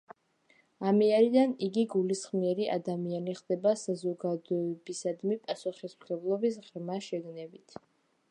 ამიერიდან იგი გულისხმიერი ადამიანი ხდება, საზოგადოებისადმი პასუხისმგებლობის ღრმა შეგნებით.